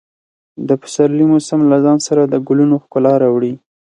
د پسرلي موسم له ځان سره د ګلونو ښکلا راوړي.